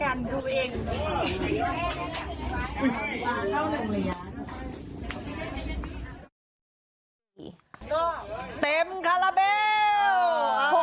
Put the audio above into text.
ก็ยังไงอยู่หรอก็ไม่บอกกันดูเอง